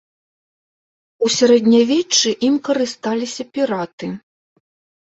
У сярэднявеччы ім карысталіся піраты.